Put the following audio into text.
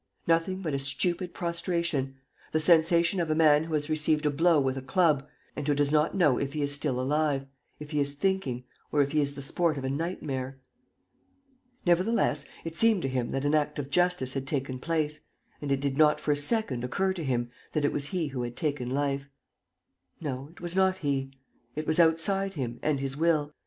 .. nothing but a stupid prostration, the sensation of a man who has received a blow with a club and who does not know if he is still alive, if he is thinking, or if he is the sport of a nightmare. Nevertheless, it seemed to him that an act of justice had taken place, and it did not for a second occur to him that it was he who had taken life. No, it was not he. It was outside him and his will.